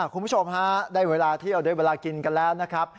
คุณผู้ชมฮะได้เวลาเที่ยวได้เวลากินกันแล้วนะครับ